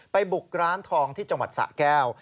บุกร้านทองที่จังหวัดสะแก้ว